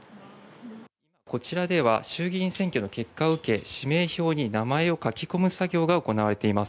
こちらでは衆議院選挙の結果を受け、氏名標に名前を書き込む作業が行われています。